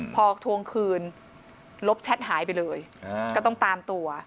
พอทวงคืนลบแชทหายไปเลยก็ต้องตามตัว